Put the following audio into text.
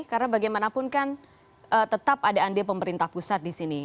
karena bagaimanapun kan tetap ada andir pemerintah pusat di sini